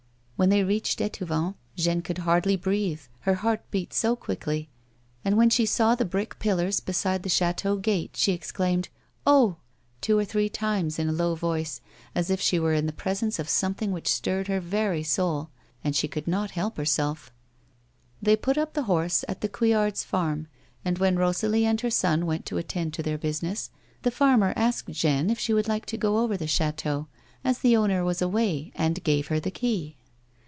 AVhen they reached Etouvent, Jeanne could hardly breathe her heart beat so quickly, and when she saw the brick pillars beside the chateau gate, she exclaimed, "Oh," two or three times in a low voice, as if she were in the presence of some thing which stirred her very soul, and she could not help herself. 246 A WOMAX S I,TFK. They put up the horse at the Coiiillards' farm, and, when Rosalie and her son went to attend to their business, the farmer asked Jeanne if she would like to go over the chateau as the owner was away, and gave her the key.